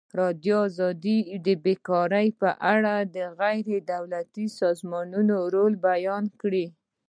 ازادي راډیو د بیکاري په اړه د غیر دولتي سازمانونو رول بیان کړی.